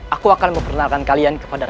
aku akan perkenalkan kalian kepada raden